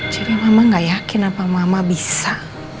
jadi mama gak yakin apa mama bisa